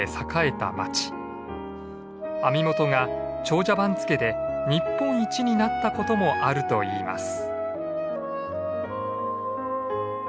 網元が長者番付で日本一になったこともあるといいます。